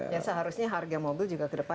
ya seharusnya harga mobil juga lebih murah